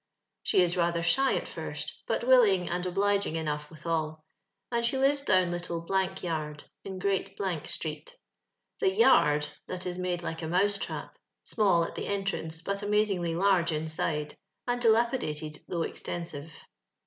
She is rather shy at first, but willing and obliging enough withal ; and she lives down Little Yard, in Great street. The yard*' that is made like a mousetn^ — small at the entrance, but amazingly large inside, and dilapidated though extensive.